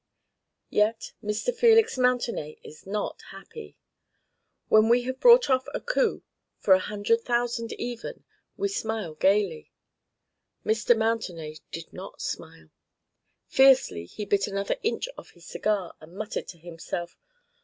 Yet Mr. Felix Mountenay is not happy. When we have brought off a coup for a hundred thousand even, we smile gaily. Mr. Mountenay did not smile. Fiercely he bit another inch off his cigar and muttered to himself.